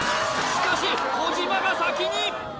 しかし小島が先に！